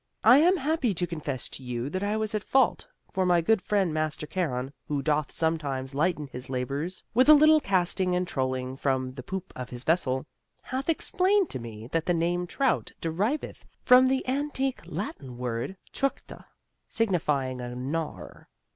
I am happy to confess to you that I was at fault, for my good friend Master Charon (who doth sometimes lighten his labors with a little casting and trolling from the poop of his vessel) hath explained to me that the name trout deriveth from the antique Latin word tructa, signifying a gnawer.